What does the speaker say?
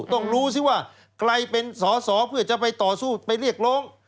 ต้องรู้สิว่าใครเป็นสอสอเพื่อจะไปต่อสู้ไปเรียกร้อง